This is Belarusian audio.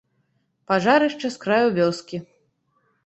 Пажарышча з краю вёскі.